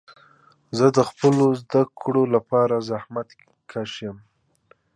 زه د خپلو زده کړو لپاره زحمت کښ یم.